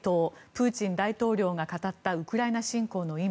プーチン大統領が語ったウクライナ侵攻の今。